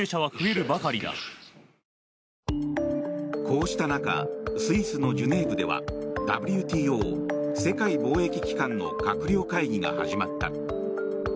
こうした中スイスのジュネーブではＷＴＯ・世界貿易機関の閣僚会議が始まった。